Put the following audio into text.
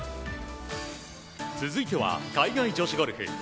続いては海外女子ゴルフ。